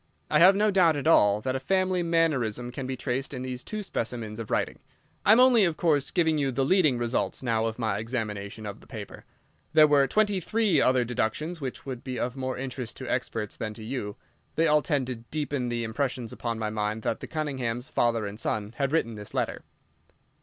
I have no doubt at all that a family mannerism can be traced in these two specimens of writing. I am only, of course, giving you the leading results now of my examination of the paper. There were twenty three other deductions which would be of more interest to experts than to you. They all tend to deepen the impression upon my mind that the Cunninghams, father and son, had written this letter.